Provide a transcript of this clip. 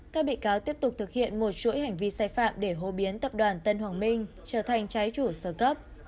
các bị cáo tiếp tục thực hiện một chuỗi hành vi sai phạm để hô biến tập đoàn tân hoàng minh trở thành trái chủ sơ cấp